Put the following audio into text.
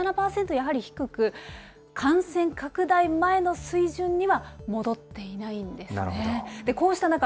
やはり低く、感染拡大前の水準には戻っていななるほど。